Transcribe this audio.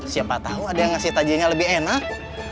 siapa tahu ada yang ngasih tajinya lebih enak